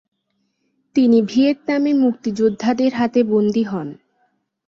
তিনি ভিয়েতনামের মুক্তিযোদ্ধাদের হাতে বন্দী হন।